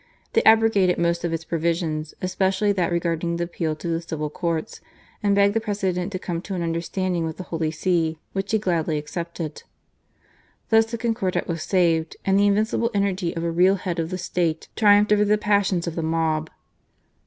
They abrogated most of its provisions, especially that regarding the appeal to 140 GARCIA MORENO, the civil courts ; and begged the President to come to an understanding with the Holy See, which he gladly accepted. Thus the Concordat was saved ; and the invincible energy of a real head of the State triumphed over the passions of the mob.